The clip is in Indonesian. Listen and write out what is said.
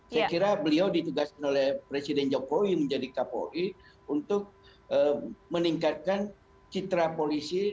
saya kira beliau ditugaskan oleh presiden jokowi menjadi kapolri untuk meningkatkan citra polisi